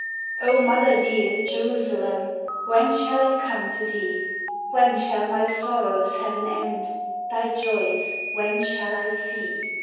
O mother dear, Jerusalem, When shall I come to thee? When shall my sorrows have an end Thy joys when shall I see?